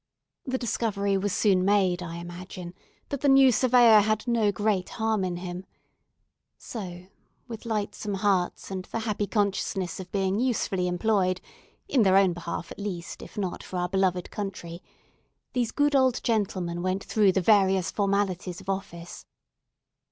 The discovery was soon made, I imagine, that the new Surveyor had no great harm in him. So, with lightsome hearts and the happy consciousness of being usefully employed—in their own behalf at least, if not for our beloved country—these good old gentlemen went through the various formalities of office.